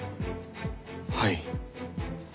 はい。